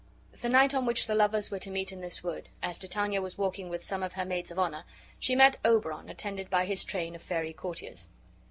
The night on which the lovers were to meet in this wood, as Titania was walking with some of her maids of honor, she met Oberon attended by his train of fairy courtiers.